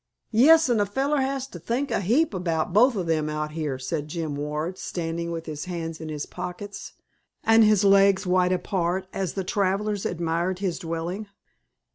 "Yes, an' a feller has to think a heap about both o' them out here," said Jim Ward, standing with his hands in his pockets and his legs wide apart as the travelers admired his dwelling.